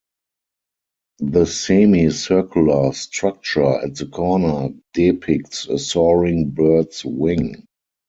The semi-circular structure at the corner depicts a soaring bird's wing.